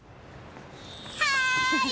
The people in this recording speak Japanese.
はい！